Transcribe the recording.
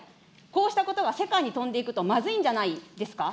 こうしたことは世界に飛んでいくとまずいんじゃないですか。